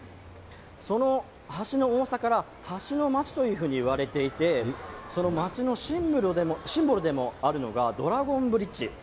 その橋の多さから橋の街と言われていてその街のシンボルでもあるのがドラゴンブリッジ。